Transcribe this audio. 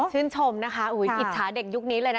ชื่นชมนะคะอิจฉาเด็กยุคนี้เลยนะ